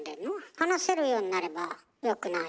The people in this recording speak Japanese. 話せるようになればよくない？